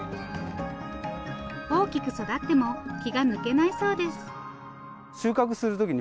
大きく育っても気が抜けないそうです。